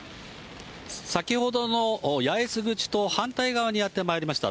先ほどの八重洲口と反対側にやってまいりました。